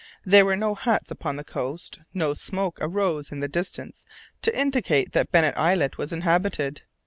There were no huts upon the coast, no smoke arose in the distance to indicate that Bennet Islet was inhabited.